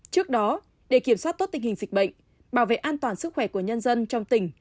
trước đó để kiểm soát tốt tình hình dịch bệnh bảo vệ an toàn sức khỏe của nhân dân trong tỉnh